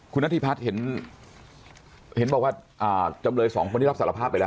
คุณนัทธิพลาสเห็นไหมว่าจำไรสองคนที่รับสารภาพไปแล้ว